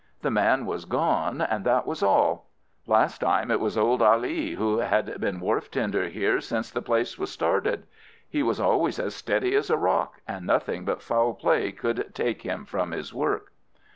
The man was gone and that was all. Last time it was old Ali, who has been wharf tender here since the place was started. He was always as steady as a rock, and nothing but foul play would take him from his work."